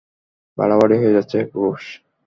বাড়াবাড়ি হয়ে যাচ্ছে, ব্রুস।